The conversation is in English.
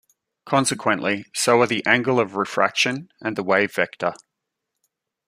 Consequently, so are the angle of refraction and the wave-vector.